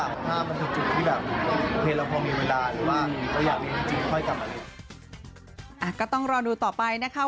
ผมคิดว่าไกลมากเลยครับ